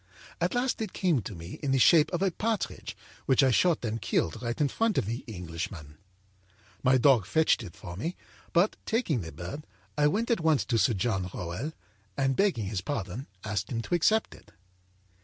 At last it came to me in the shape of a partridge which I shot and killed right in front of the Englishman. My dog fetched it for me, but, taking the bird, I went at once to Sir John Rowell and, begging his pardon, asked him to accept it.